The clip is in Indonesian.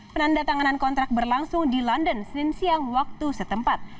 penanda tanganan kontrak berlangsung di london senin siang waktu setempat